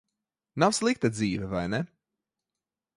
Nav slikta dzīve, vai ne?